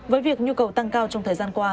với việc nhu cầu tăng cao trong thời gian qua